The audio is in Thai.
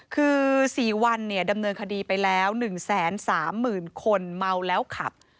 คือ๔วันเนี่ยดำเนินคดีไปแล้ว๑แสน๓หมื่นคนเมาแล้วขับ